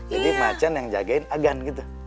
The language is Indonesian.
jadi macan yang jagain agan gitu